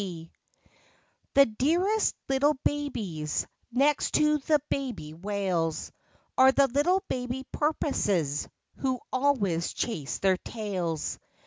C he dearest little babies Next to the baby whales, Are the little baby porpoises Who always chase their tails.